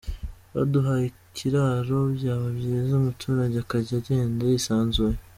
Baduhaye ikiraro byaba byiza umuturage akajya agenda yisanzuye.